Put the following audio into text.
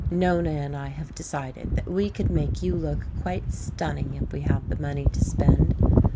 Nona and I have decided that we could make you look quite stunning if we had the money to spend.